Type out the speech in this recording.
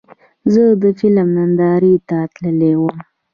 زه د فلم نندارې ته تللی وم.